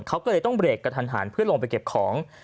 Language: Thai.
เขาก็เลยต้องเบรกกระทันหันเพื่อลงไปเก็บของ